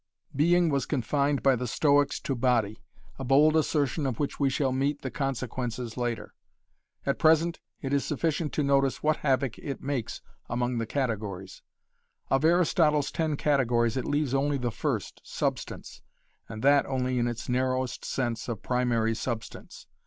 Being was confined by the Stoics to body, a bold assertion of which we shall meet the consequences later. At present it is sufficient to notice what havoc it makes among the categories. Of Aristotle's ten categories it leaves only the first, Substance, and that only in its narrowest sense of Primary Substance.